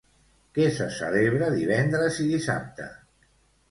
Què se celebra divendres i dissabte?